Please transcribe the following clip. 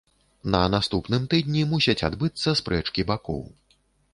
На наступным тыдні мусяць адбыцца спрэчкі бакоў.